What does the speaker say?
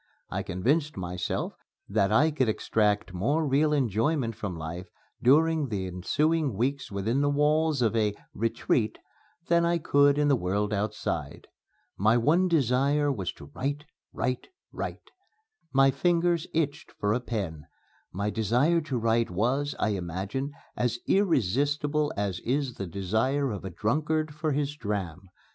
I convinced myself that I could extract more real enjoyment from life during the ensuing weeks within the walls of a "retreat" than I could in the world outside. My one desire was to write, write, write. My fingers itched for a pen. My desire to write was, I imagine, as irresistible as is the desire of a drunkard for his dram.